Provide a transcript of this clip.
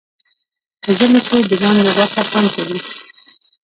په ژمي کې د لاندي غوښه خوند کوي